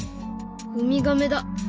ウミガメだ。